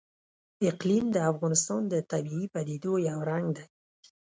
اقلیم د افغانستان د طبیعي پدیدو یو رنګ دی.